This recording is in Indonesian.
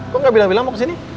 kok gak bilang bilang mau kesini